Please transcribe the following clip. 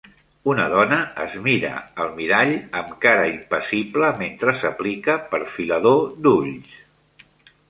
Una dona es mira al mirall amb cara impassible mentre s'aplica perfilador d'ulls.